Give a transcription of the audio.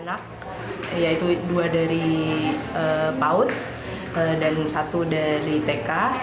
anak yaitu dua dari paut dan satu dari tk